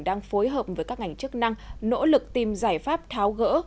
đang phối hợp với các ngành chức năng nỗ lực tìm giải pháp tháo gỡ